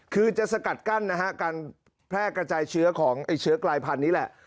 คือจะสกัดกั้นนะฮะการแพร่กระจายเชื้อของไอ้เชื้อกลายพันธุ์นี้แหละ